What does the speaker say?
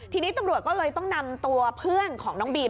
ทีนี้ตำรวจก็เลยต้องนำตัวเพื่อนของน้องบีม